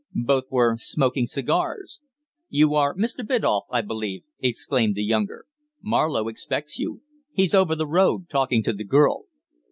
Both were smoking cigars. "You are Mr. Biddulph, I believe!" exclaimed the younger. "Marlowe expects you. He's over the road, talking to the girl."